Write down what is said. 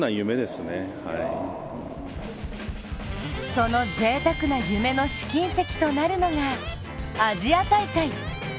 そのぜいたくな夢の試金石となるのがアジア大会。